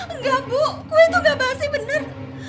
enggak bu kue itu gak basi benar